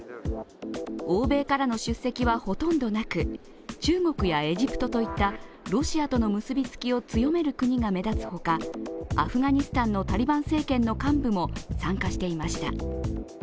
欧米からの出席はほとんどなく、中国やエジプトといったロシアとの結びつきを強める国が目立つほかアフガニスタンのタリバン政権の幹部も参加していました。